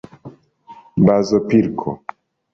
bazopilko